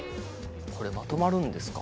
これまとまるんですか？